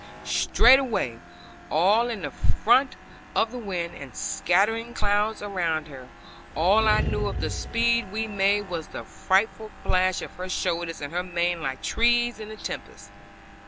Straight away, all in the front of the wind, and scattering clouds around her, all I knew of the speed we made was the frightful flash of her shoulders, and her mane like trees in a tempest.